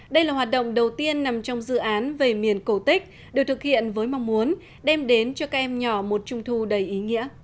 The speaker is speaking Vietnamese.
đây là hoạt động đầu tiên nằm trong dự án về miền cổ tích được thực hiện với mong muốn đem đến cho các em nhỏ một trung thu đầy ý nghĩa